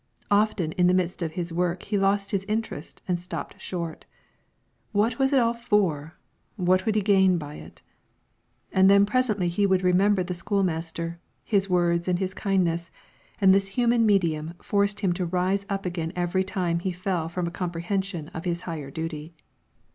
Often in the midst of his work he lost his interest and stopped short: what was it all for, what would he gain by it? and then presently he would remember the school master, his words and his kindness; and this human medium forced him to rise up again every time he fell from a comprehension of his higher duty.